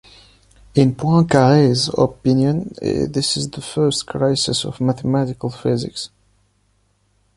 In Poincaré’s opinion this is the first crisis of mathematical physics.